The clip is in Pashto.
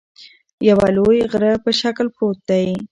د یوه لوی غره په شکل پروت دى